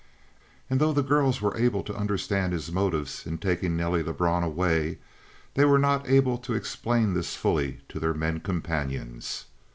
And though the girls were able to understand his motives in taking Nelly Lebrun away they were not able to explain this fully to their men companions.